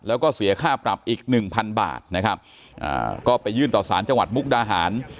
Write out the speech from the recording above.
แล้วก็เสียค่าปรับอีกหนึ่งพันบาทนะครับก็ไปยื่นต่อสารจังหวัดมุกดาหาร